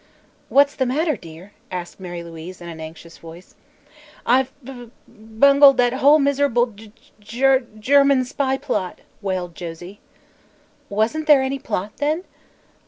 "What's the matter, dear?" asked Mary Louise in an anxious voice. "I've b b bungled that whole miserable G Ger man spy plot!" wailed Josie. "Wasn't there any plot, then?"